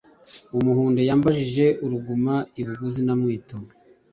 Umuhunde yambanje uruguma i Buguzi na Mwito